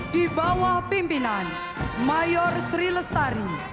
dibawah pimpinan mayor sri lestari